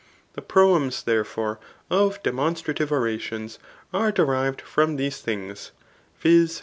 The proems, there fore, of demonstrative orations are derived from these things ; viz.